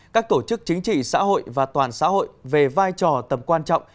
các tổ chức chính trị xã hội và toàn xã hội về vai trò tầm quan trọng